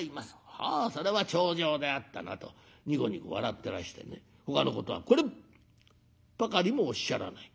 『ああそれは重畳であったな』とにこにこ笑ってらしてねほかのことはこれっぱかりもおっしゃらない。